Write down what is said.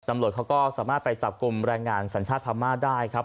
ตำรวจเขาก็สามารถไปจับกลุ่มแรงงานสัญชาติพม่าได้ครับ